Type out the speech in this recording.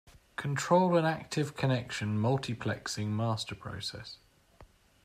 Control an active connection multiplexing master process.